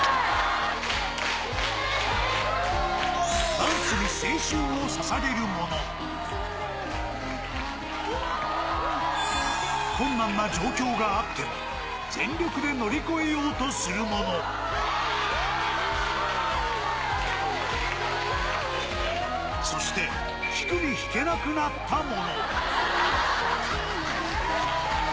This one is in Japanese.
ダンスに青春を捧げる者、困難な状況があっても、全力で乗り越えようとする者、そして、引くに引けなくなった者。